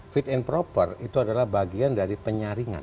fit and proper itu adalah bagian dari penyaringan